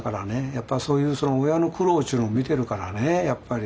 やっぱそういう親の苦労っちゅうのを見てるからねやっぱり。